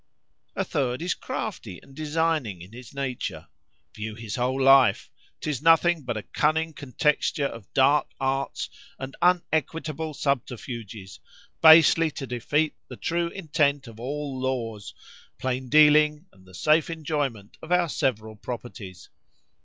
_ "A third is crafty and designing in his nature. View his whole life;—'tis nothing but a cunning contexture "of dark arts and unequitable subterfuges, basely to defeat the true intent of all laws,——plain dealing and the safe enjoyment of our several properties.